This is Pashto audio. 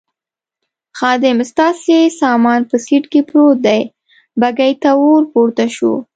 خادم: ستاسې سامان په سېټ کې پروت دی، بګۍ ته ور پورته شوو.